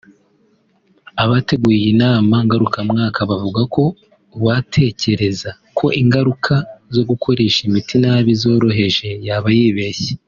Abateguye iyi nama ngarukamwaka bavuga ko uwatekereza ko ingaruka zo gukoresha imiti nabi zoroheje yaba yibeshya